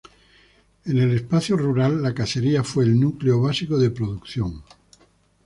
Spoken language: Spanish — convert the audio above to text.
En el espacio rural la casería fue el núcleo básico de producción.